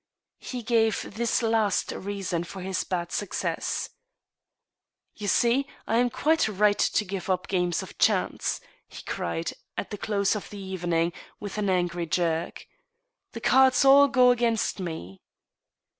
He gave this last reason for his bad success. " You see, I am quite right to give up games of chance," he cried, at the close of the evening, with an angry jerk ;" the cards all go against me